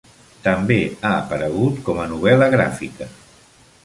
També ha aparegut com a novel·la gràfica.